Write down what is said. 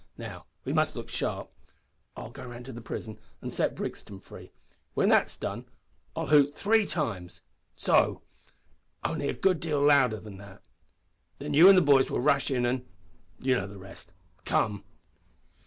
Now we must look sharp. I'll go round to the prison and set Brixton free. When that's done, I'll hoot three times so only a good deal louder. Then you an' the boys will rush in and you know the rest. Come."